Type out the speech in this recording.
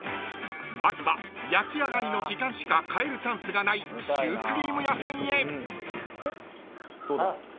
［まずは焼き上がりの時間しか買えるチャンスがないシュークリーム屋さんへ］